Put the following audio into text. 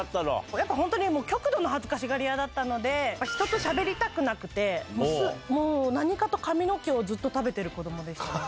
やっぱり本当に極度の恥ずかしがり屋だったので、人としゃべりたくなくて、もう、何かと髪の毛をずっと食べてる子どもでした。